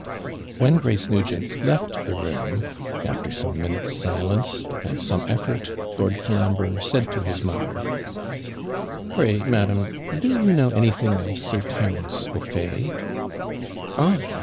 When Grace Nugent left the room, after some minutes' silence, and some effort, Lord Colambre said to his mother, 'Pray, madam, do you know anything of Sir Terence O'Fay?' 'I!'